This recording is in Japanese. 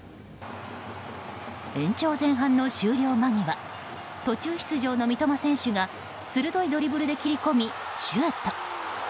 延長前半の終了間際途中出場の三笘選手が鋭いドリブルで切り込みシュート。